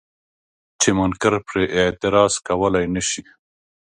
چې منکر پرې اعتراض کولی نه شي.